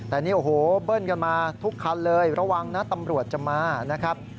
แต่นี่โอ้โหเบิ้ลกันมาทุกคันเลยระวังนะตำรวจจะมานะครับ